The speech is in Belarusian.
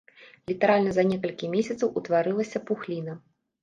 Літаральна за некалькі месяцаў утварылася пухліна.